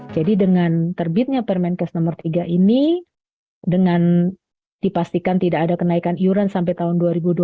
jadi dengan terbitnya permenkes no tiga ini dengan dipastikan tidak ada kenaikan iuran sampai tahun dua ribu dua puluh lima